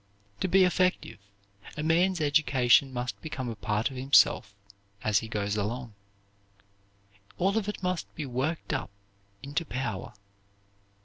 To be effective, a man's education must become a part of himself as he goes along. All of it must be worked up into power.